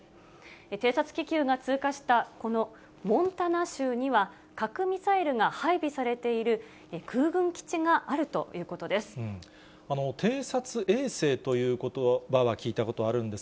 偵察気球が通過したこのモンタナ州には、核ミサイルが配備されている空軍基地があるということです。